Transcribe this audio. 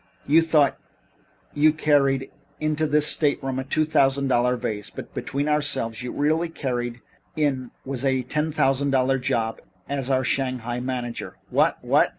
You thought you carried into this stateroom a two thousand dollar vase, but between ourselves, what you really carried in was a ten thousand dollar job as our Shanghai manager." "Wha what!"